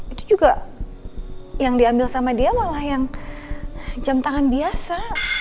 itu juga yang diambil sama dia malah yang jam tangan biasa